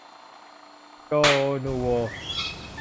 โจ นูโว